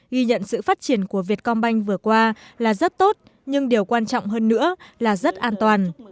ghi nhận sự phát triển của việt công banh vừa qua là rất tốt nhưng điều quan trọng hơn nữa là rất an toàn